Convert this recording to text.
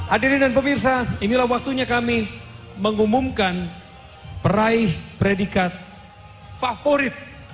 adiri dan pemirsa inilah waktunya kami mengumumkan peraih predikat favorit